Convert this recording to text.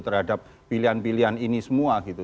terhadap pilihan pilihan ini semua gitu